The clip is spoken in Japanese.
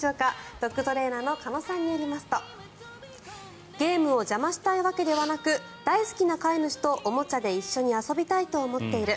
ドッグトレーナーの鹿野さんによりますとゲームを邪魔したいわけではなく大好きな飼い主とおもちゃで一緒に遊びたいと思っている。